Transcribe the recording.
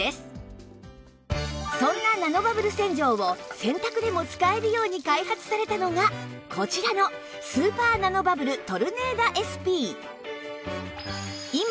そんなナノバブル洗浄を洗濯でも使えるように開発されたのがこちらのスーパーナノバブルトルネーダ ＳＰ